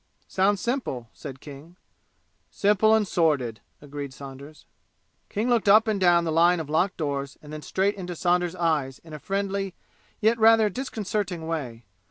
"Sounds simple!" said King. "Simple and sordid!" agreed Saunders. King looked up and down the line of locked doors and then straight into Saunders' eyes in a friendly, yet rather disconcerting way.